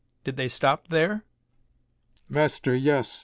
Did they stop there?" "Master, yes.